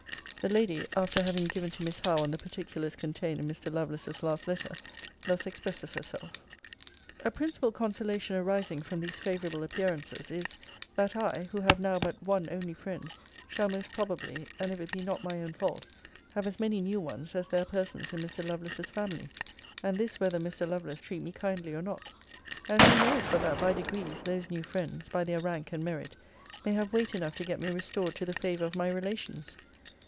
[The Lady, after having given to Miss Howe on the particulars contained in Mr. Lovelace's last letter, thus expresses herself:] A principal consolation arising from these favourable appearances, is, that I, who have now but one only friend, shall most probably, and if it be not my own fault, have as many new ones as there are persons in Mr. Lovelace's family; and this whether Mr. Lovelace treat me kindly or not. And who knows, but that, by degrees, those new friends, by their rank and merit, may have weight enough to get me restored to the favour of my relations?